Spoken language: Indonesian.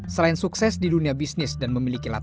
selain sukses di dunia bisnis dan memiliki latihan